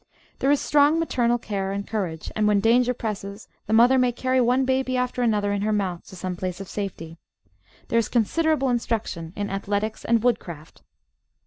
* There is strong maternal care and coiurage, and when danger presses the mother may carry one baby after another in her mouth to some place of safety. There is considerable instruction in athletics and woodcraft.